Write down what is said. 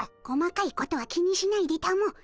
細かいことは気にしないでたも。